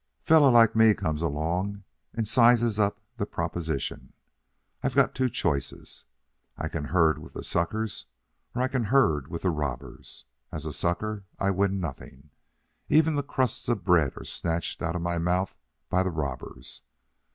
"Fellow like me comes along and sizes up the proposition. I've got two choices. I can herd with the suckers, or I can herd with the robbers. As a sucker, I win nothing. Even the crusts of bread are snatched out of my mouth by the robbers.